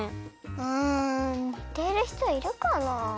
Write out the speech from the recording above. うんにてるひといるかな？